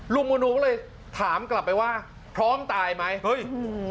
ลุงมนูก็เลยถามกลับไปว่าพร้อมตายไหม